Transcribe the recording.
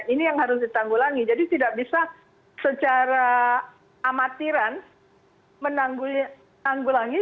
ini yang harus ditanggulangi jadi tidak bisa secara amatiran menanggulangi